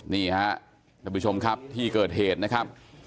นี่ฮะท่านผู้ชมครับที่เกิดเหตุนะครับ